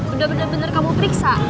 udah bener bener kamu periksa